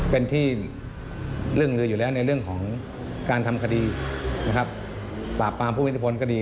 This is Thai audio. เป็นที่เรื่องอยู่แลกในเรื่องของการทำคดีปรากบปรามผู้มิตรฝนก็ดี